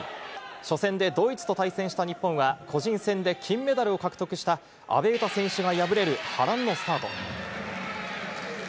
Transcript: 初戦でドイツと対戦した日本は、個人戦で金メダルを獲得した阿部詩選手が敗れる波乱のスタート。